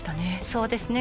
そうですね。